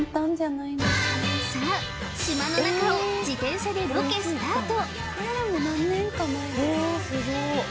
さあ島の中を自転車でロケスタート